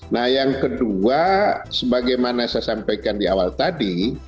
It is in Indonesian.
nah yang kedua sebagaimana saya sampaikan di awal tadi